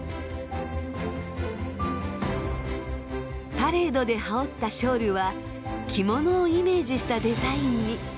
パレードで羽織ったショールは着物をイメージしたデザインに。